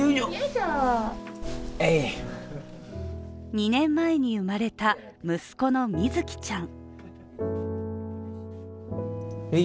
２年前に生まれた息子の瑞生ちゃん。